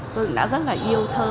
tôi cũng đã rất là yêu thơ